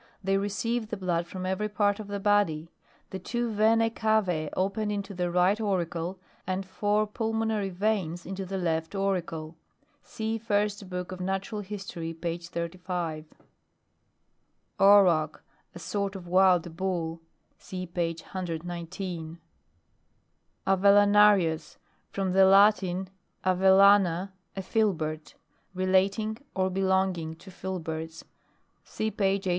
They receive the blood from every part of the body. The two venae cavae open into the right auricle, and four pulmonary veins into the left auricle. (Sec First Book of Nat. History, p. 35.) AUROCH. A sort of wild bull, (See page 119.) AVELLANARIUS. From the Latin, av ellana, a filbert. Relating or be longing to filberts. (See page 81.)